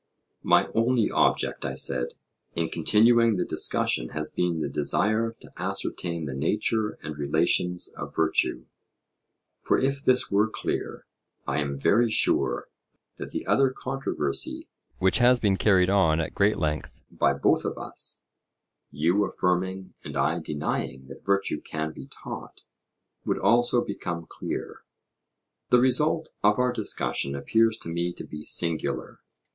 My only object, I said, in continuing the discussion, has been the desire to ascertain the nature and relations of virtue; for if this were clear, I am very sure that the other controversy which has been carried on at great length by both of us you affirming and I denying that virtue can be taught would also become clear. The result of our discussion appears to me to be singular.